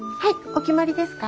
お決まりですか？